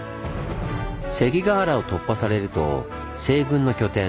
関ケ原を突破されると西軍の拠点